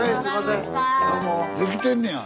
できてんねや。